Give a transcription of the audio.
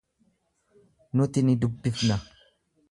Nuti ni dubbisna.